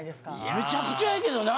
めちゃくちゃやけどな。